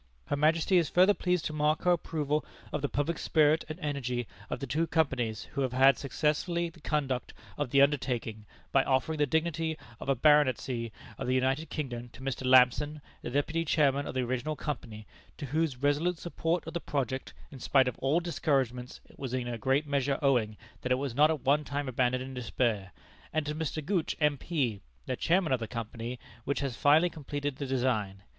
Her Majesty is further pleased to mark her approval of the public spirit and energy of the two companies who have had successively the conduct of the undertaking, by offering the dignity of a baronetcy of the United Kingdom to Mr. Lampson, the Deputy Chairman of the original company, to whose resolute support of the project in spite of all discouragements it was in a great measure owing that it was not at one time abandoned in despair; and to Mr. Gooch, M.P., the Chairman of the company which has finally completed the design.